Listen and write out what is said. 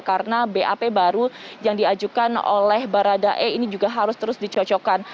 karena bap baru yang diajukan oleh baradae ini juga harus terus dicocokkan